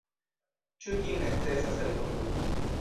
Ĉu ĝin necesas elkonduki?